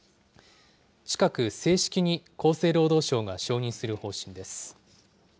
近く、正式に厚生労働省が承認する方針です。